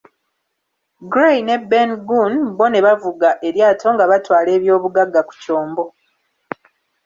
Gray ne Ben Gunn bo ne bavuga eryato nga batwala eby'obugagga ku kyombo.